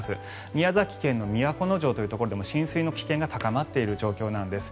宮崎県の都城というところでも浸水の危険が高まっている状況なんです。